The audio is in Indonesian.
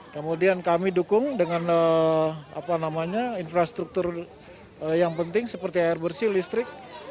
kemudian kami dukung dengan infrastruktur yang penting seperti air bersih listrik